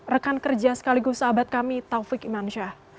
rekan kerja sekaligus sahabat kami taufik iman syah